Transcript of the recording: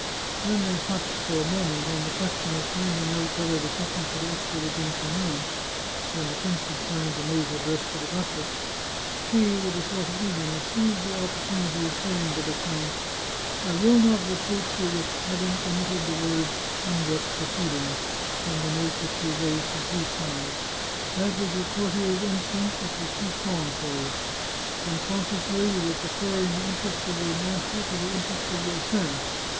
When they touched, for a moment, on the question of finding out whether the sentence had actually been pronounced, when the prince had signed the note addressed to the duchess, she, with a sort of eagerness, seized the opportunity of saying to the count :" I will not reproach you with having omitted the words * unjust proceedings ' from the note which you wrote, and he signed. That was your courtier's instinct, which was too strong for you. Unconsciously, you were pre ferring the interests of your master to the interests of your friend.